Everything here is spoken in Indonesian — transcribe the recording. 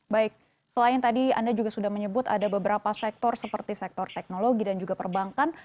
baik selain tadi anda juga sudah menyebut ada beberapa sektor seperti sektor teknologi dan juga perbankan